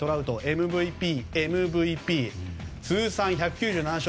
ＭＶＰ、ＭＶＰ通算１９７勝